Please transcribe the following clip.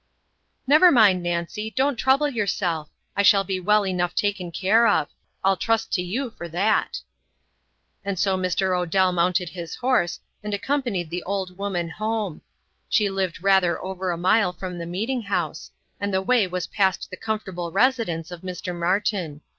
"Never mind, Nancy, don't trouble yourself; I shall be well enough taken care of. I'll trust to you for that." And so Mr. Odell mounted his horse, and accompanied the old woman home. She lived rather over a mile from the meeting house and the way was past the comfortable residence of Mr. Martin.